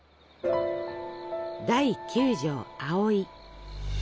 第九帖「葵」。